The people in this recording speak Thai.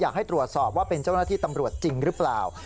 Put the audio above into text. อยากให้ตรวจสอบว่าเป็นเจ้าหน้าที่ตำรวจจริงหรือเปล่า